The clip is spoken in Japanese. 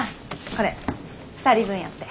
これ２人分やって。